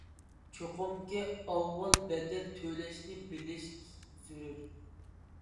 چوقۇمكى ئاۋۋال بەدەل تۆلەشنى بىلىش زۆرۈر!